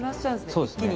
そうですね。